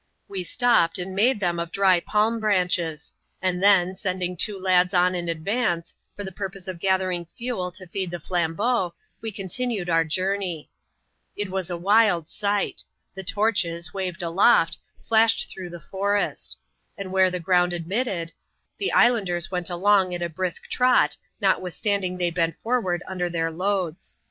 We stopped, and made them of dry palm branches ; and then, sending two lads on in advance, for the purpose of gathering fuel to feed the fLam beauz, we continued our journey. It was a wild sight. The torches, waved aloft, flashed through the forest ; and, where the ground admitted, the islanders went along on a brisk trot, notwithstanding they bent forward under their loads.